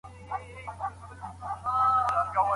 که ناروغانو ته پر وخت درمل ورکړل سي، نو درد یې نه زیاتیږي.